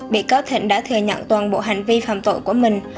bị cáo thịnh đã thừa nhận toàn bộ hành vi phạm tội của mình